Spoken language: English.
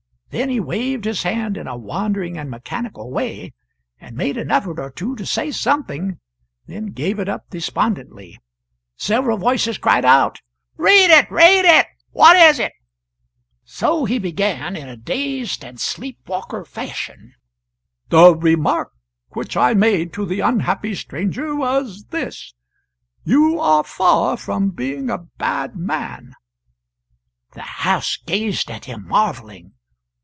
Then he waved his hand in a wandering and mechanical way, and made an effort or two to say something, then gave it up, despondently. Several voices cried out: "Read it! read it! What is it?" So he began, in a dazed and sleep walker fashion: "'The remark which I made to the unhappy stranger was this: "You are far from being a bad man. [The house gazed at him marvelling.